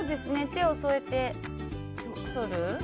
手を添えて、とる。